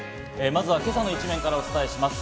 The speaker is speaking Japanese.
まずは今朝の一面からお伝えします。